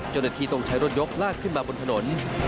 จนทีต้องใช้รถยกลากขึ้นมาบนถนน